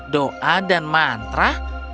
doa dan mantra